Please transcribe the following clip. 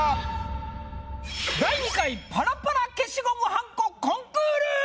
第２回パラパラ消しゴムはんこコンクール！